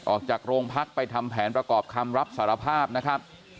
ออกจากโรงพักไปทำแผนประกอบคำรับสารภาพนะครับ